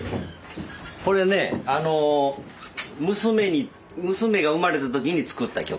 これね娘が生まれた時に作った曲。